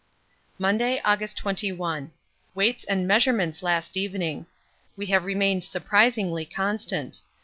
Monday, August 21. Weights and measurements last evening. We have remained surprisingly constant.